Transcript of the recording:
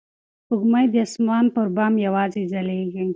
سپوږمۍ د اسمان پر بام یوازې ځلېږي.